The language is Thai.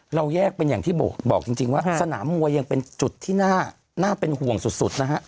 เราแยกเป็นอย่างที่บอกจริงว่าสนามมวยยังเป็นจุดที่น่าเป็นห่วงสุดนะฮะ